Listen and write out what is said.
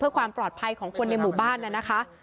เพื่อความปลอดภัยของคนในหมู่บ้านน่ะนะคะ